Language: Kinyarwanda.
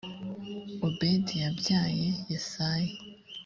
obedi yabyaye yesayi